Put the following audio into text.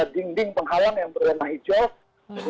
dinding penghalang yang berwarna hijau